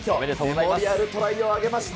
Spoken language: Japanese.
メモリアルトライを挙げました。